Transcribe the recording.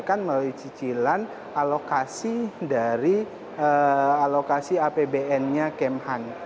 kita akan melalui cicilan alokasi dari alokasi apbn nya kemhan